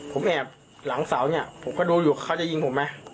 ผมแอบหลังเสาเนี่ยผมก็ดูอยู่เขาจะยิงผมไหม